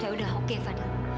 yaudah oke fadil